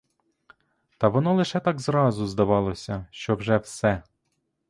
Та воно лише так зразу здавалося, що вже все.